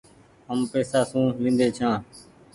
هم پئيسا سون لينڍي ڇآن ۔